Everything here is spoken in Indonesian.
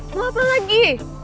mau apa lagi